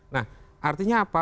nah artinya apa